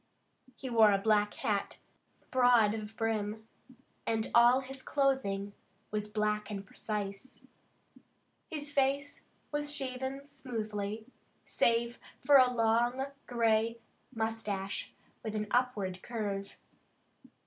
He wore a black hat, broad of brim, and all his clothing was black and precise. His face was shaven smoothly, save for a long gray mustache with an upward curve.